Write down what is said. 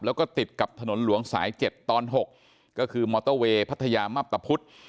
แล้วก็ติดกับถนนหลวงสาย๗ตอน๖ก็คือมอเตอร์เวย์พัทยามับตะพุธ